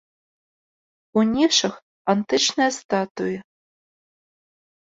У нішах антычныя статуі.